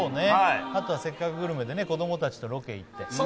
あとは「せっかくグルメ！！」で子供たちとロケ行って。